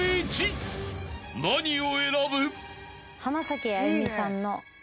［何を選ぶ？］